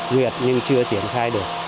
huyệt nhưng chưa triển khai